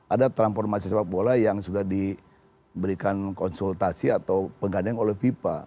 ada transformasi sepak bola yang sudah diberikan konsultasi atau penggadeng oleh fifa